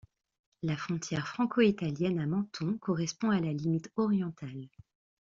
La frontière franco-italienne à Menton correspond à la limite orientale.